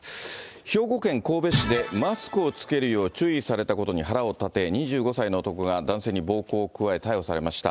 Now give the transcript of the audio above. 兵庫県神戸市でマスクを着けるよう注意されたことに腹を立て、２５歳の男が男性に暴行を加え、逮捕されました。